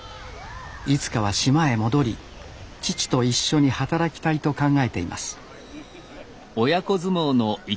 いつかは島へ戻り父と一緒に働きたいと考えています